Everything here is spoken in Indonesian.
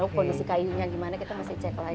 oh kondisi kayunya gimana kita masih cek lagi